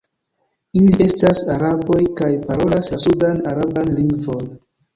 Ili estas araboj kaj parolas la sudan-araban lingvon.